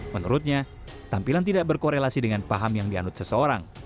menurutnya tampilan tidak berkorelasi dengan paham yang dianut seseorang